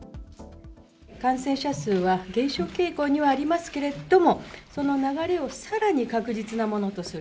感染者数は減少傾向にはありますけれども、その流れをさらに確実なものとする。